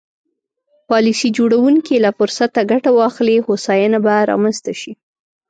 پالیسي جوړوونکي له فرصته ګټه واخلي هوساینه به رامنځته شي.